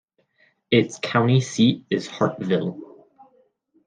Its county seat is Hartville.